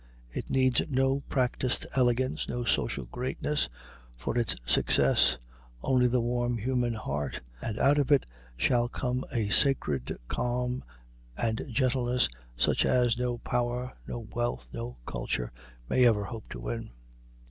It needs no practiced elegance, no social greatness, for its success; only the warm human heart, and out of it shall come a sacred calm and gentleness, such as no power, no wealth, no culture may ever hope to win.